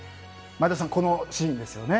前田さん、このシーンですよね。